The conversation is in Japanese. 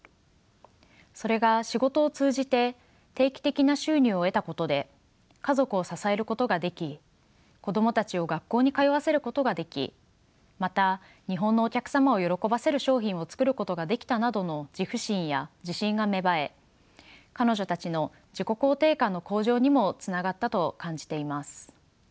それが仕事を通じて定期的な収入を得たことで家族を支えることができ子供たちを学校に通わせることができまた日本のお客様を喜ばせる商品を作ることができたなどの自負心や自信が芽生え彼女たちの自己肯定感の向上にもつながったと感じています。